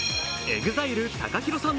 ＥＸＩＬＥＴＡＫＡＨＩＲＯさん